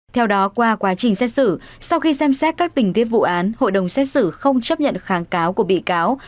theo đó qua quá trình xét xử sau khi xem xét các tình tiết vụ án hội đồng xét xử không chấp nhận kháng cáo của bị cáo